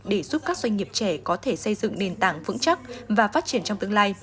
để giúp các doanh nghiệp trẻ có thể xây dựng nền tảng vững chắc và phát triển trong tương lai